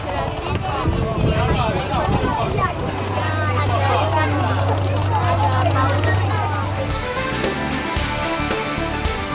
ada ikan ada pahlawan